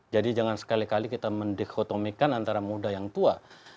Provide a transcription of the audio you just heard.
jadi jangan sekali kali kita mendekotomikan antara muda dan tua